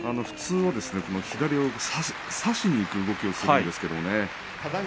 普通は左を差しにいく動きをするんですけれどもね。